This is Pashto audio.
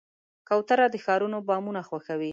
کوتره د ښارونو بامونه خوښوي.